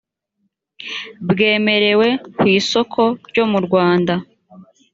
bwemerewe ku isoko ryo mu rwanda